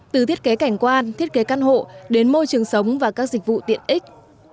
từ thiết kế cảnh quan thiết kế căn hộ đến môi trường sống và các dịch vụ tiện ích